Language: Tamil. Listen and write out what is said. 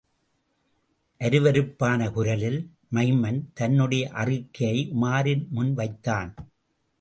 அருவருப்பான குரலில், மைமன் தன்னுடைய அறிக்கையை உமாரின் முன் வைத்தான்.